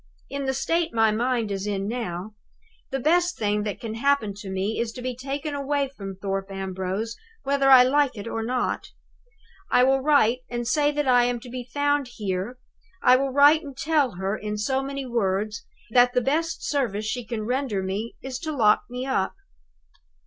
In the state my mind is in now, the best thing that can happen to me is to be taken away from Thorpe Ambrose, whether I like it or not. I will write and say that I am to be found here I will write and tell her, in so many words, that the best service she can render me is to lock me up."